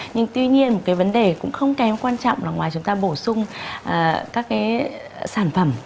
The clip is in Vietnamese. nhưng tuy nhiên một cái vấn đề cũng không kém quan trọng là ngoài chúng ta bổ sung các cái sản phẩm